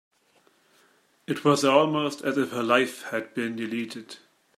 It was almost as if her life had been deleted.